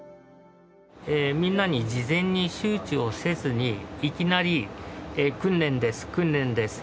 みんなに事前に周知をせずにいきなり「訓練です訓練です」